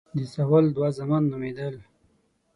د ساول دوه زامن نومېدل.